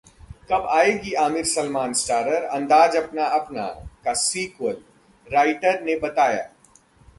कब आएगा आमिर-सलमान स्टारर 'अंदाज अपना अपना' का सीक्वल? राइटर ने बताया